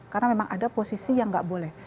karena memang ada posisi yang nggak boleh